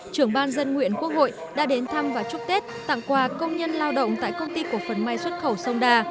trưởng ban dân nguyện quốc hội đã đến thăm và chúc tết tặng quà công nhân lao động tại công ty cổ phần may xuất khẩu sông đà